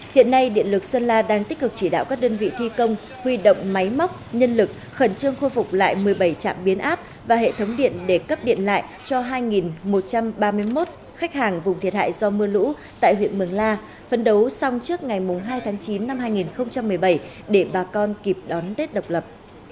hiện nay điện lực sơn la đang tích cực chỉ đạo các đơn vị thi công huy động máy móc nhân lực khẩn trương khôi phục lại một mươi bảy trạm biến áp và hệ thống điện để cấp điện lại cho hai một trăm ba mươi một khách hàng vùng thiệt hại do mưa lũ tại huyện mường la phấn đấu xong trước ngày hai tháng chín năm hai nghìn một mươi bảy để bà con kịp đón tết độc lập